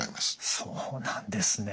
そうなんですね。